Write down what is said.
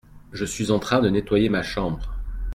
Je suis en train de nettoyer ma chambre.